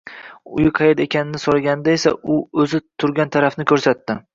Uyi qaerda ekanini so`raganida esa u o`zi turgan tarafni ko`rsatdi